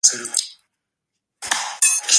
Michael Psellus, "Chronographia".